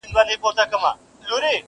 • ورور ځان ته سزا ورکوي تل,